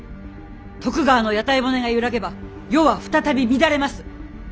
徳川の屋台骨が揺らげば世は再び乱れます。